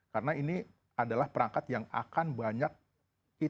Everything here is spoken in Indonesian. karena ini adalah perangkat yang akan banyak kita gunakan